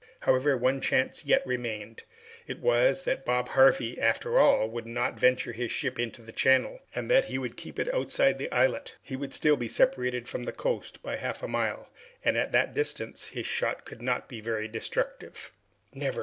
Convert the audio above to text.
However, one chance yet remained; it was that Bob Harvey, after all, would not venture his ship into the channel, and that he would keep outside the islet. He would be still separated from the coast by half a mile, and at that distance his shot could not be very destructive. "Never!"